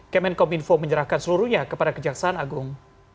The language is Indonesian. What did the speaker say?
kemenkom info menyerahkan seluruhnya kepada kejaksaan agung